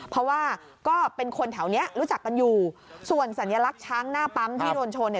เพราะว่าก็เป็นคนแถวนี้รู้จักกันอยู่ส่วนสัญลักษณ์ช้างหน้าปั๊มที่โดนชน